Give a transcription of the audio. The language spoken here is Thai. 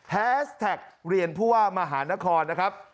แฮสแท็กเรียนผู้ว่ามหานครนะครับ